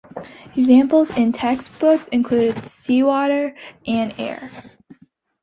Examples in textbooks included seawater and air.